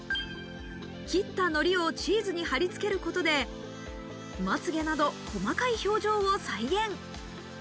切ったノリをチーズに貼り付けることで、まつげなど細かい表情を再現。